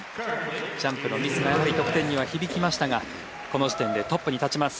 ジャンプのミスがやはり得点には響きましたがこの時点でトップに立ちます。